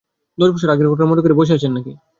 দশ বৎসর আগের ঘটনা মনে করে বসে আছেন নাকি?